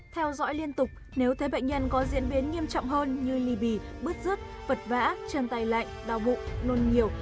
theo dõi liên tục nếu thấy bệnh nhân có diễn biến nghiêm trọng hơn như ly bì bứt rứt vật vã chân tay lạnh đau bụng nôn nhiều